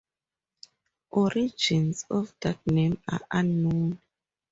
Origins of that name are unknown.